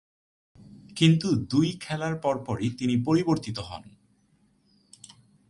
কিন্তু দুই খেলার পরপরই তিনি পরিবর্তিত হন।